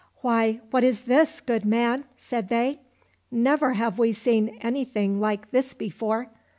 " Why, what is this, good man ?" said they ;" never have we seen anything like this before